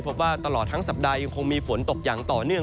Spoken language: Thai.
ตลอดทั้งสัปดาห์ยังคงมีฝนตกอย่างต่อเนื่อง